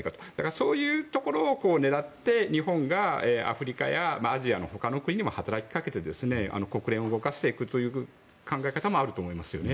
そういうところを狙って、日本がアフリカやアジアの他の国にも働きかけて国連を動かしていくという考え方もあると思いますよね。